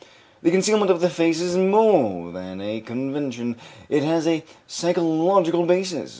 This concealment of the face is more than a convention; it has a psychological basis.